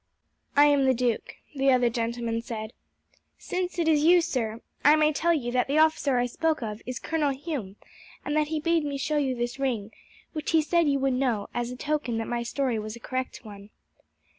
"I am the duke," the other gentleman said. "Since it is you, sir, I may tell you that the officer I spoke of is Colonel Hume, and that he bade me show you this ring, which he said you would know, as a token that my story was a correct one."